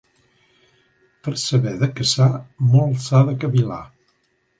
Per saber de caçar, molt s'ha de cavil·lar.